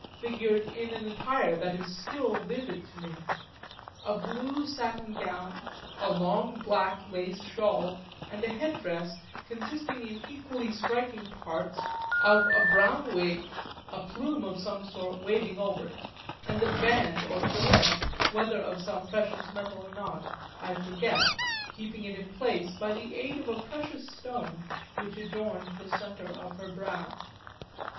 figured in an attire that is still vivid to me: a blue satin gown, a long black lace shawl and a head dress consisting in equally striking parts of a brown wig, a plume of some sort waving over it and a band or fillet, whether of some precious metal or not I forget, keeping it in place by the aid of a precious stone which adorned the centre of her brow.